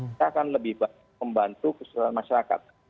kita akan lebih membantu keseluruhan masyarakat